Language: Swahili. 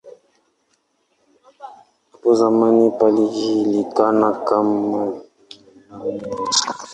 Hapo zamani palijulikana kama "Nemours".